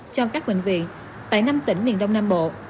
cho các bệnh viện tại năm tỉnh miền đông nam bộ